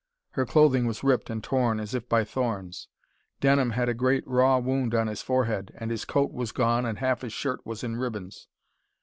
Her clothing was ripped and torn, as if by thorns. Denham had a great raw wound upon his forehead, and his coat was gone and half his shirt was in ribbons.